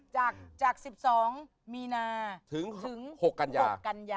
จาก๑๒มีนาถึง๖กัญญา